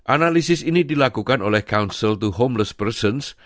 analisis ini dilakukan oleh council to homeless persons